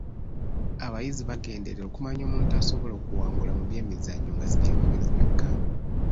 Abayizi bagenderera okumanya omuntu asobola okuwangula mu by'emizannyo nga si by'amagezi byokka.